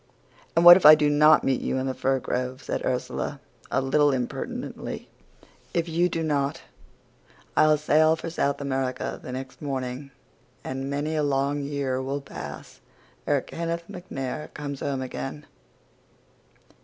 "'And what if I do not meet you in the fir grove?' said Ursula, a little impertinently. "'If you do not, I'll sail for South America the next morning, and many a long year will pass ere Kenneth MacNair comes home again.